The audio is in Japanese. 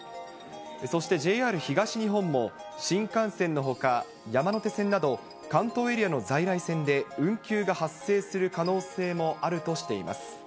そしてＪＲ東日本も、新幹線のほか、山手線など、関東エリアの在来線で運休が発生する可能性もあるとしています。